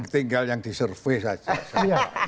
tinggal yang disurvey saja